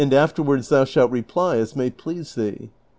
297 afterwards thou shalt reply as may i)lease thee.